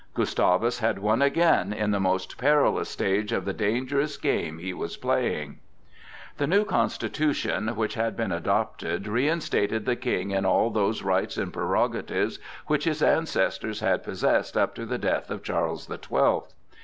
Gustavus had won again in the most perilous stage of the dangerous game he was playing. The new constitution which had been adopted reinstated the King in all those rights and prerogatives which his ancestors had possessed up to the death of Charles the Twelfth.